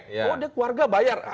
oh dia keluarga bayar